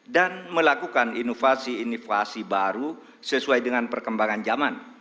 melakukan inovasi inovasi baru sesuai dengan perkembangan zaman